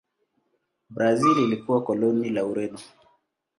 Brazil ilikuwa koloni la Ureno.